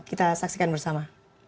kita saksikan bersama